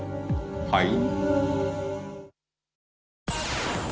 はい？